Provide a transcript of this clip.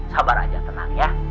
sabar aja tenang ya